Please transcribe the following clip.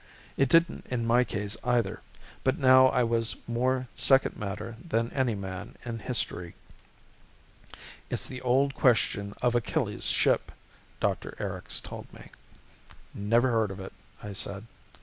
It didn't in my case either. But now I was more second matter than any man in history. "It's the old question of Achilles' Ship," Dr. Erics told me. "Never heard of it," I said.